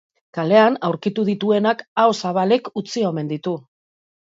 Kalean aurkitu dituenak aho zabalik utzi omen ditu.